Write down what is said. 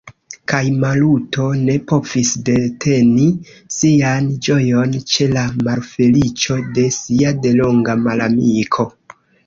Kaj Maluto ne povis deteni sian ĝojon ĉe la malfeliĉo de sia delonga malamiko.